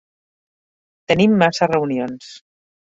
Tenim massa reunions